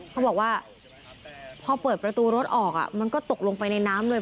เขาบอกว่าพอเปิดประตูรถออกมันก็ตกลงไปในน้ำเลย